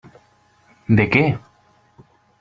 De què?